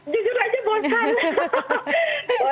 jujur aja bosan